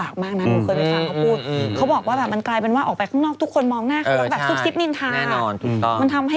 เดี๋ยวผมจะไปแจ้งปธนะ